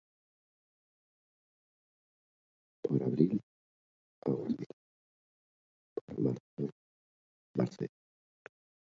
Gizarte batzuetan semeen premutasuna jaraunsletzaren oinarria da.